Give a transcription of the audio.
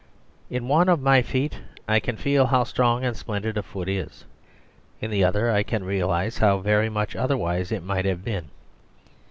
In one of my feet I can feel how strong and splendid a foot is; in the other I can realise how very much otherwise it might have been.